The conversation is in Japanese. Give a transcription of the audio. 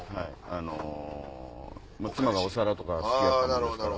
あの妻がお皿とか好きやったもんですから。